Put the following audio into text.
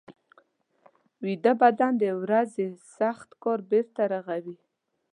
ویده بدن د ورځې سخت کار بېرته رغوي